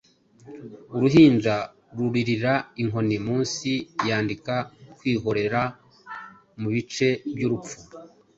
Uruhinja ruririra Inkoni munsi Yandika Kwihorera mubice byurupfu.